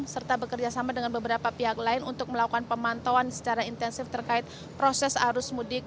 serta bekerjasama dengan beberapa pihak lain untuk melakukan pemantauan secara intensif terkait proses arus mudik